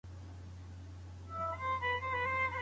د لاس لیکنه د علمي پرمختګونو اصلي کیلي ده.